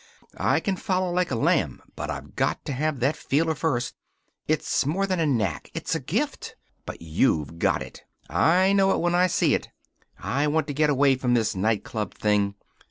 I can follow like a lamb, but I've got to have that feeler first. It's more than a knack. It's a gift. And you've got it. I know it when I see it. I want to get away from this night club thing.